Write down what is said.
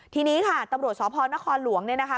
ทีนี้ค่ะตำรวจสพลเนี่ยนะคะ